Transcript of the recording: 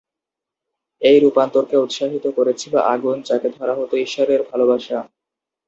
এই রূপান্তরকে উৎসাহিত করেছিল আগুন, যাকে ধরা হত ঈশ্বরের ভালবাসা।